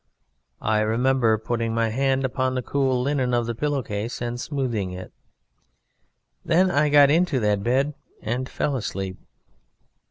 I remember putting my hand upon the cool linen of the pillow case and smoothing it; then I got into that bed and fell asleep.